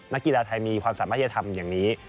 กีฬาไทยมีความสามารถจะทำอย่างนี้